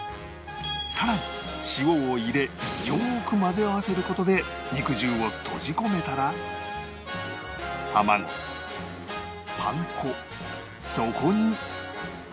さらに塩を入れよく混ぜ合わせる事で肉汁を閉じ込めたら卵パン粉そこに